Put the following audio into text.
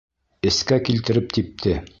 Эскә килтереп типте.